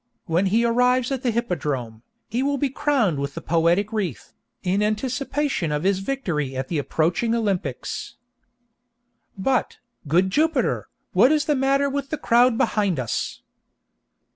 When he arrives at the hippodrome, he will be crowned with the poetic wreath, in anticipation of his victory at the approaching Olympics. "But, good Jupiter! what is the matter in the crowd behind us?"